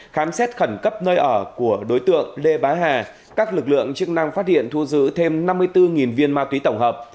khám xét khẩn cấp nơi ở của đối tượng lê bá hà các lực lượng chức năng phát hiện thu giữ thêm năm mươi bốn viên ma túy tổng hợp